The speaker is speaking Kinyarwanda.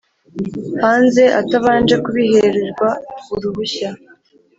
hanze atabanje kubihererwa uruhushya